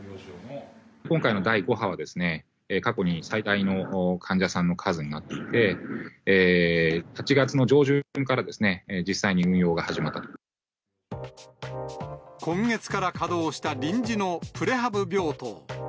今回の第５波はですね、過去に最大の患者さんの数になっていて、８月の上旬から、今月から稼働した臨時のプレハブ病棟。